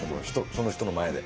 その人の前で。